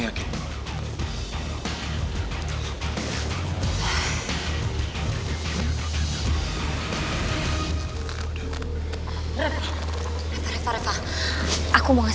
ya udah kita ke rumah